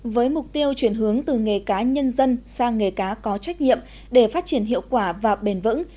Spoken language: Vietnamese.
với mục tiêu chuyển hướng từ nghề cá nhân dân sang nghề cá có trách nhiệm để phát triển hiệu quả và bền vững